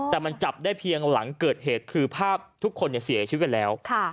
แต่มันจับได้เพียงหลังเกิดเหตุคือภาพทุกคนเสียชีวิตไปแล้ว